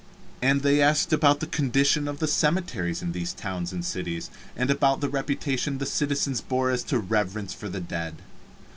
And they asked about the condition of the cemeteries in these towns and cities, and about the reputation the citizens bore as to reverence for the dead.